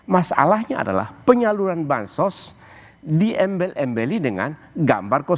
masalahnya adalah penyaluran bahan sosial diembel embeli dengan gambar dua